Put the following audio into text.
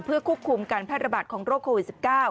เพื่อควบคุมการแพร่ระบาดของโรคโควิด๑๙